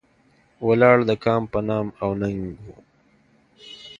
ولاړ د کام په نام او ننګ و.